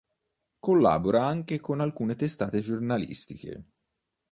Collabora anche con alcune testate giornalistiche.